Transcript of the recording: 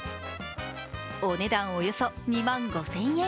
お値段およそ２万５０００円。